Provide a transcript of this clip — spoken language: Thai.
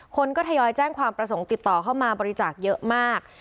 คนก็ทยอยแจ้งความประสงค์ติดต่อเข้ามาบริจาคเยอะมาก